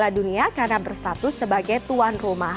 piala dunia karena berstatus sebagai tuan rumah